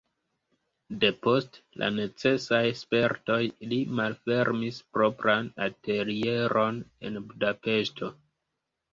Depost la necesaj spertoj li malfermis propran atelieron en Budapeŝto.